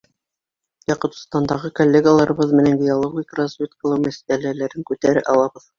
— Яҡутстандағы коллегаларыбыҙ менән геологик разведкалау мәсьәләләрен күтәрә алабыҙ.